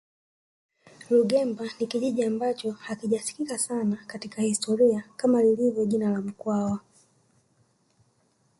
Rungemba ni kijiji ambacho hakijasikika sana katika historia kama lilivyo jina la mkwawa